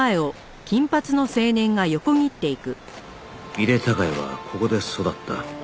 井手孝也はここで育った